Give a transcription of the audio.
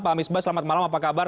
pak misbah selamat malam apa kabar